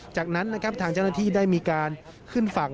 จากนั้นนะครับทางเจ้าหน้าที่ได้มีการขึ้นฝั่ง